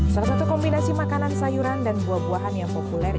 salah satu kombinasi makanan sayuran dan buah buahan yang populer